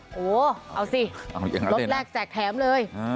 โอ้โหเอาสิรถแรกแจกแถมเลย